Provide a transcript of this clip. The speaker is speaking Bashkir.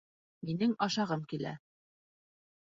Минең ашағым килә